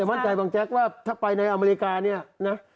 แต่มั่นใจบังแจ็คว่าถ้าไปในอเมริกา